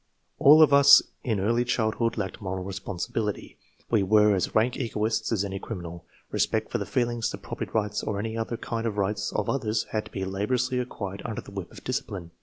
All of us in early childhood lacked moral responsibility. We were as rank egoists as any criminal. Respect for the feelings, the property rights, or any other kind of rights, of others had to be laboriously acquired under the whip of discipline.